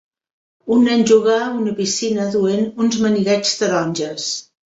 Un nen juga a una piscina duent uns maniguets taronges.